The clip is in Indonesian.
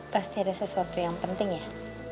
pasti ada sesuatu yang penting ya